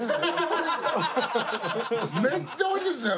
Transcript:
めっちゃ美味しいですね！